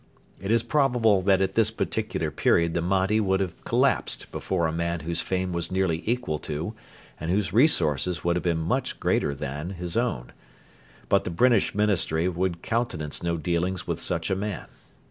It is probable that at this particular period the Mahdi would have collapsed before a man whose fame was nearly equal to, and whose resources would have been much greater than, his own. But the British Ministry would countenance no dealings with such a man.